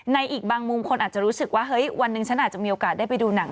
ในอีกบางมุมคนอาจจะรู้สึกว่าเฮ้ยวันหนึ่งฉันอาจจะมีโอกาสได้ไปดูหนัง